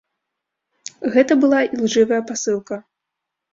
Гэта была ілжывая пасылка.